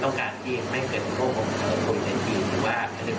แต่ใครที่ที่ทราบนะครับการศิลป์ซีนต้องมีความคุ้มค่านะครับ